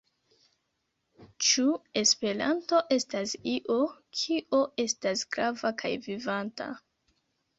Ĉu Esperanto estas io, kio estas grava kaj vivanta?